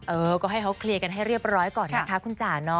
เออก็ให้เขาเคลียร์กันให้เรียบร้อยก่อนนะคะคุณจ๋าเนาะ